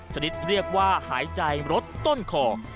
ชนิดเรียกว่าหายใจรดต้นคอ